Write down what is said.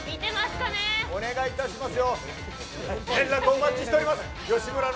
お願いいたしますよ。